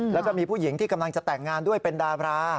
แล้วก็มีผู้หญิงที่กำลังจะแต่งงานด้วยเป็นดารา